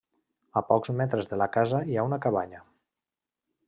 A pocs metres de la casa hi ha una cabanya.